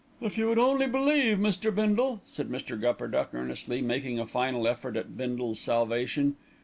"If you would only believe, Mr. Bindle," said Mr. Gupperduck earnestly, making a final effort at Bindle's salvation.